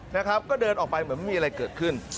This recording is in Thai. นะครับก็เดินออกไปเหมือนไม่มีอะไรเกิดขึ้น